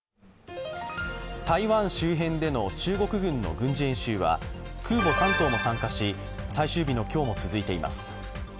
台湾周辺での中国軍の軍事演習は空母「山東」も参加し最終日の今日も続いています。